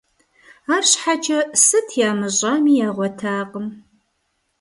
АрщхьэкӀэ, сыт ямыщӀами, ягъуэтакъым.